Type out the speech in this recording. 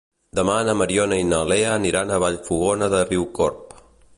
Demà na Mariona i na Lea aniran a Vallfogona de Riucorb.